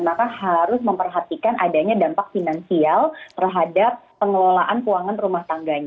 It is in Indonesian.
maka harus memperhatikan adanya dampak finansial terhadap pengelolaan keuangan